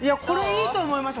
いいと思いますよ。